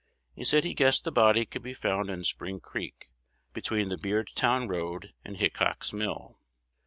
He said he guessed the body could be found in Spring Creek, between the Beardstown Road and Hickox's mill.